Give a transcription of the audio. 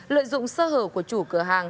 lợi dụng sơ hở của chủ cửa hàng